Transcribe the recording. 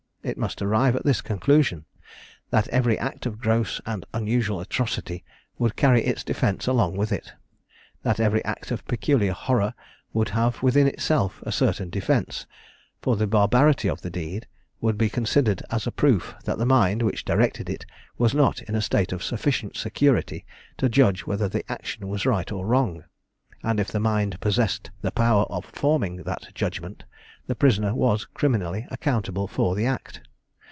It must arrive at this conclusion that every act of gross and unusual atrocity would carry its defence along with it, that every act of peculiar horror would have within itself a certain defence, for the barbarity of the deed would be considered as a proof that the mind which directed it was not in a state of sufficient security to judge whether the action was right or wrong; and if the mind possessed the power of forming that judgment, the prisoner was criminally accountable for the act.